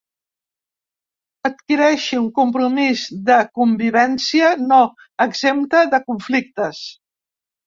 Adquireixi un compromís de convivència no exempta de conflictes.